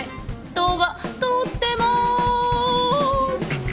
動画撮ってます。